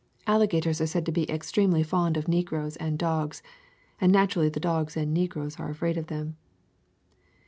Alligators are said to be ex tremely fond of negroes and dogs, and natu rally the dogs and negroes are afraid of them.